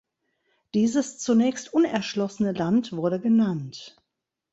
Dieses zunächst unerschlossene Land wurde genannt.